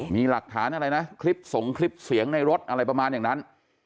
มีหลักฐานอะไรนะคลิปสงคลิปเสียงในรถอะไรประมาณอย่างนั้น